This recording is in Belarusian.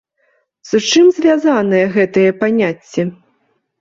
З чым звязанае гэтае паняцце?